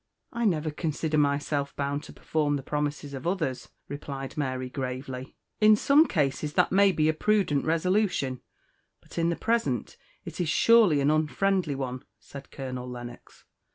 "I never consider myself bound to perform the promises of others," replied Mary gravely. "In some cases that may be a prudent resolution, but in the present it is surely an unfriendly one," said Colonel Lennox.